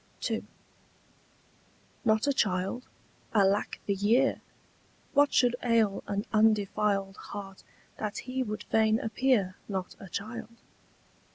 II. Not a child? alack the year! What should ail an undefiled Heart, that he would fain appear Not a child?